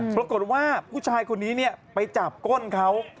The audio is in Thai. ปรากฏว่าผู้ชายคนนี้ไปจับก้นเขา